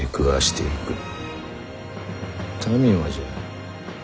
民もじゃ。